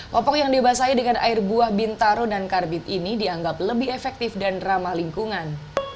popok yang dibasahi dengan air buah bintaro dan karbit ini dianggap lebih efektif dan ramah lingkungan